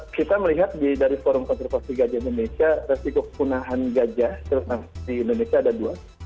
kita melihat dari forum konservasi gajah indonesia resiko kepunahan gajah di indonesia ada dua